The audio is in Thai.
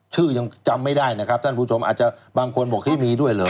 ชื่อยังจำไม่ได้นะครับท่านผู้ชมอาจจะบางคนบอกมีด้วยเหรอ